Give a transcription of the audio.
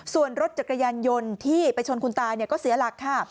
ส่วนรถจักรยานยนต์ที่ไปชนคุณตาก็เสียหลักค่ะ